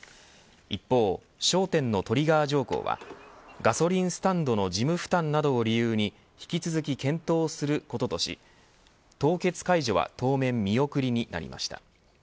一方、焦点のトリガー条項はガソリンスタンドの事務負担などを理由に引き続き検討することとし凍結解除は当面見送りになりました。